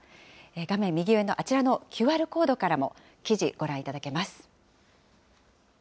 画面右上のあちらのＱＲコードからも記事、ご覧いただけます。